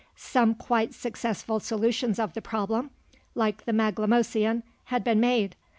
some quite successful solutions of the problem like the Maglemosian had been made.